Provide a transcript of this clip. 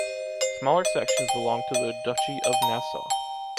Smaller sections belonged to the Duchy of Nassau.